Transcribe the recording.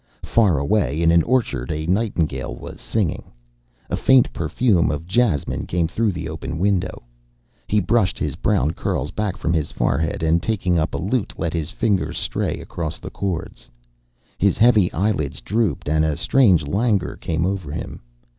Far away, in an orchard, a nightingale was singing. A faint perfume of jasmine came through the open window. He brushed his brown curls back from his forehead, and taking up a lute, let his fingers stray across the cords. His heavy eyelids drooped, and a strange languor came over him.